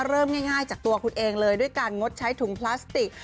เริ่มง่ายจากตัวคุณเองเลยด้วยการงดใช้ถุงพลาสติก